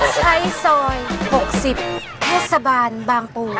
ใช้ซอย๖๐เทศบาลบางปู